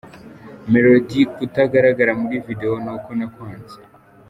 Melodie kutagaragara muri video ni uko nakwanze ,.